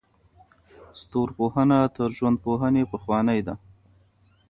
ستورپوهنه تر ژوندپوهنې پخوانۍ ده.